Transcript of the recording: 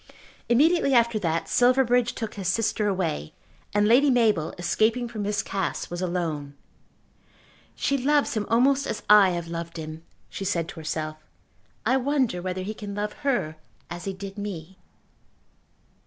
Immediately after that Silverbridge took his sister away, and Lady Mabel, escaping from Miss Cass, was alone. "She loves him almost as I have loved him," she said to herself. "I wonder whether he can love her as he did me?"